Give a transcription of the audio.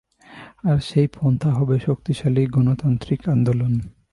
আর সেই পন্থা হবে শক্তিশালী গণতান্ত্রিক আন্দোলন।